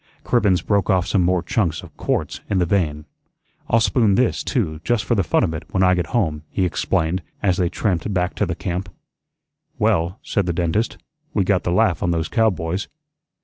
Cribbens broke off some more chunks of quarts in the vein. "I'll spoon this too, just for the fun of it, when I get home," he explained, as they tramped back to the camp. "Well," said the dentist, "we got the laugh on those cowboys."